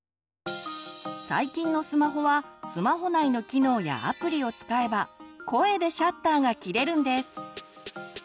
最近のスマホはスマホ内の機能やアプリを使えば声でシャッターがきれるんです。